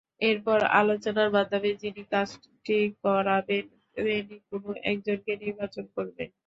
এরপর আলোচনার মাধ্যমে যিনি কাজটি করাবেন তিনি কোনো একজনকে নির্বাচন করবেন।